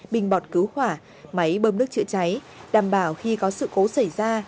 bình bọt cứu hỏa máy bơm nước chữa cháy đảm bảo khi có sự cố xảy ra